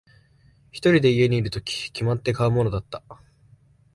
一人で家にいるとき、決まって買うものだった。